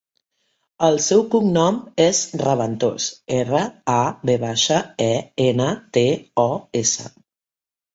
El seu cognom és Raventos: erra, a, ve baixa, e, ena, te, o, essa.